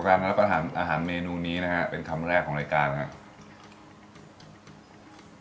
การพัดอาหารเมนูนี้นะครับเป็นคำแรกของรายการนะครับ